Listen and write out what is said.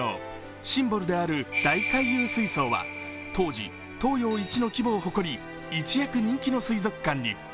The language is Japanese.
シンボルである大回遊水槽は、当時東洋一の規模を誇り一躍人気の水族館に。